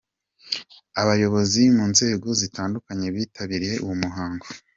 Abayobozi mu nzego zitandukanye bitabiriye uwo muhango.